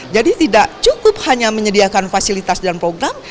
jadi tidak cukup hanya menyediakan fasilitas dan program